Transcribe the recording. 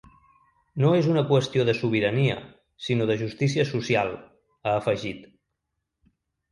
No és una qüestió de sobirania, sinó de justícia social, ha afegit.